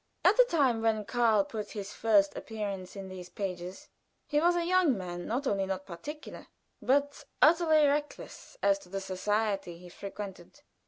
At the time when Karl put in his first appearance in these pages he was a young man not only not particular, but utterly reckless as to the society he frequented.